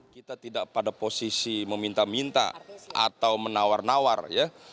kita tidak pada posisi meminta minta atau menawar nawar ya